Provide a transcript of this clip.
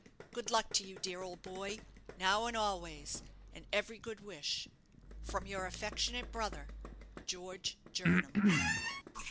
Good luck to you, dear old boy, now and always, and every good wish. From your affectionate brother_," "GEORGE JERNAM."